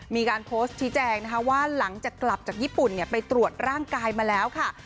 มีการโพสต์ชี้แจงนะคะว่าหลังจากกลับจากญี่ปุ่นไปตรวจร่างกายมาแล้วค่ะ